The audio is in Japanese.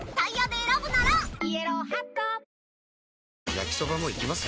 焼きソバもいきます？